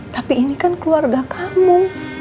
tapi ini kan keluarga kamu